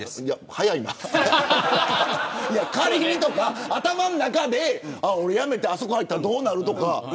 早いな、仮にとか頭の中であそこに入ったらどうなるとか。